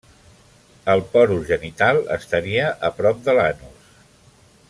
El porus genital estaria a prop de l'anus.